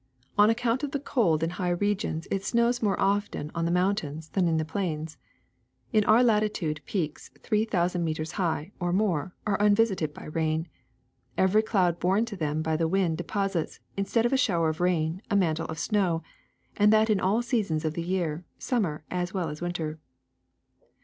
On account of the cold in high regions it snows more often on the mountains than in the plains. In our latitude peaks three thou sand meters high, or more, are unvisited by rain. Every cloud borne to them by the wind deposits, in stead of a shower of rain, a mantle of snow, and that in all seasons of the year, summer as well as winter.